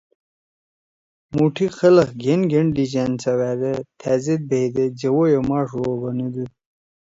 مُوٹھیِک خلگ گھین گھین ڈھیِچأن سوأدے تھأ زید بھئیدے جوَئی او ماݜ ڙو بنُودُود۔